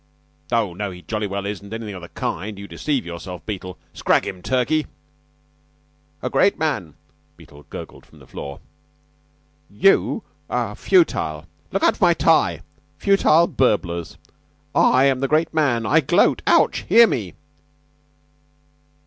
"Oh, no; he jolly well isn't anything of the kind. You deceive yourself, Beetle. Scrag him, Turkey!" "A great man," Beetle gurgled from the floor. "You are futile look out for my tie! futile burblers. I am the Great Man. I gloat. Ouch! Hear me!"